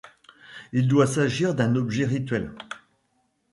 Il doit s'agir d'un objet rituel.